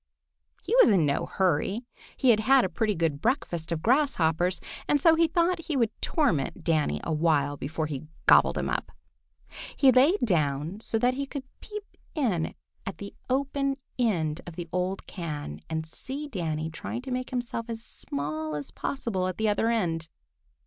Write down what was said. He was in no hurry. He had had a pretty good breakfast of grasshoppers, and so he thought he would torment Danny a while before gobbling him up. He lay down so that he could peep in at the open end of the old can and see Danny trying to make himself as small as possible at the other end.